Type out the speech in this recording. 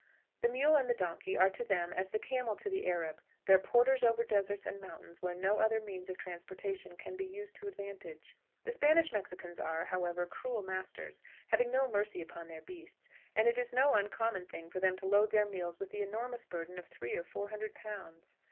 The mule and the donkey are to them as the camel to the Arab their porters over deserts and mountains where no other means of transportation can be used to advantage. The Spanish Mexicans are, however, cruel masters, having no mercy upon their beasts, and it is no uncommon thing for them to load their mules with the enormous burden of three or four hundred pounds.